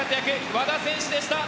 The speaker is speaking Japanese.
和田選手でした。